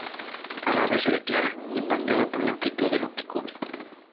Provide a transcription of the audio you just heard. A la vez se declara "impactada por la amplitud de lo que cubren".